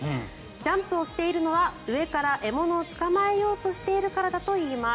ジャンプをしているのは上から獲物を捕まえようとしているからだといいます。